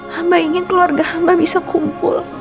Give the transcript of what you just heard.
hamba ingin keluarga hamba bisa kumpul